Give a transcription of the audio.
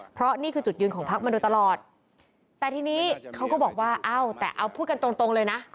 เพราะนี่คือจุดยืนของพักมาโดยตลอดแต่ทีนี้เขาก็บอกว่าเอ้าแต่เอาพูดกันตรงตรงเลยนะ